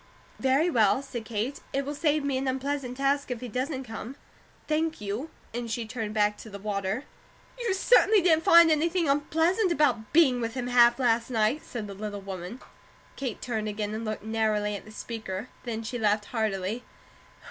"Very well," said Kate. "It will save me an unpleasant task if he doesn't come. Thank you," and she turned back to the water. "You certainly didn't find anything unpleasant about being with him half last night," said the little woman. Kate turned again, and looked narrowly at the speaker. Then she laughed heartily.